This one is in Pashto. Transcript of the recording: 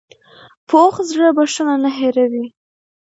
پوخ زړه بښنه نه هېروي